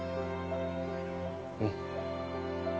うん。